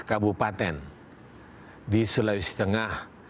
kabupaten di sulawesi tengah